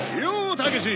たけし。